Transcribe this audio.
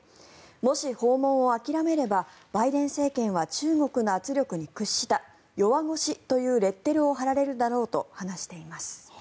もし訪問を諦めればバイデン政権は中国の圧力に屈した弱腰というレッテルを貼られるだろうと話しています。